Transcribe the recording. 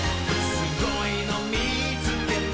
「すごいのみつけた」